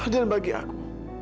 dan bagi aku